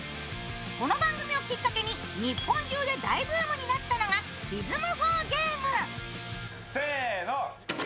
この番組をきっかけに日本中で大ブームになったのがリズム